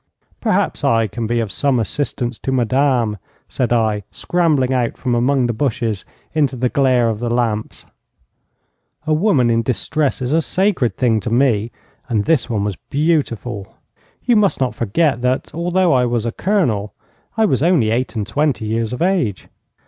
'Perhaps I can be of some assistance to madame,' said I, scrambling out from among the bushes into the glare of the lamps. A woman in distress is a sacred thing to me, and this one was beautiful. You must not forget that, although I was a colonel, I was only eight and twenty years of age.